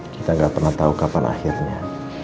kita gak pernah tau kapan akhirnya